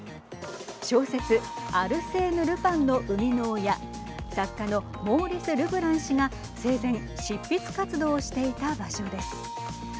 小説アルセーヌ・ルパンの生みの親作家のモーリス・ルブラン氏が生前、執筆活動をしていた場所です。